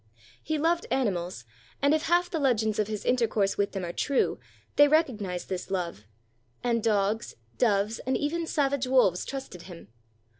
He loved animals, and if half the legends of his intercourse with them are true, they recognized this love; and dogs, doves, and even savage wolves trusted him.